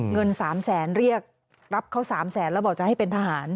เงิน๓แสนเรียกรับเขา๓แสนแล้วบอกจะให้เป็นทหาร